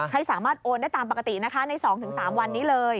ให้สามารถโอนได้ตามปกตินะคะใน๒๓วันนี้เลย